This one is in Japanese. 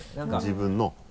自分の。